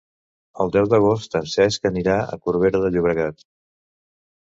El deu d'agost en Cesc anirà a Corbera de Llobregat.